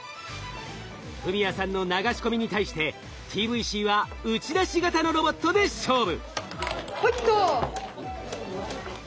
史哉さんの流し込みに対してＴＶＣは打ち出し型のロボットで勝負。